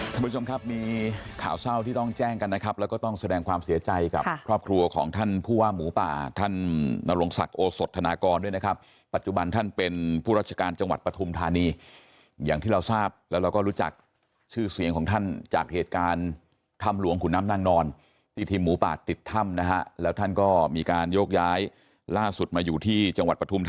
บริษัทบริษัทบริษัทบริษัทบริษัทบริษัทบริษัทบริษัทบริษัทบริษัทบริษัทบริษัทบริษัทบริษัทบริษัทบริษัทบริษัทบริษัทบริษัทบริษัทบริษัทบริษัทบริษัทบริษัทบริษัทบริษัทบริษัทบริษัท